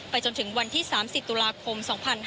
จนถึงวันที่๓๐ตุลาคม๒๕๕๙